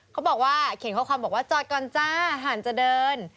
เขาบอกว่าเขียนข้อความบอกว่าจอดก่อนจ้าหันจะเดิน